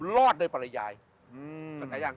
รอดด้วยปริญญาณ